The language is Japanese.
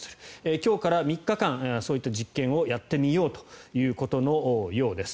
今日から３日間そういった実験をやってみようということのようです。